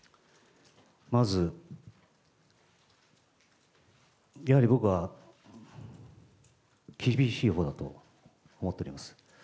まず、やはり僕は、厳しいほうだと思っております。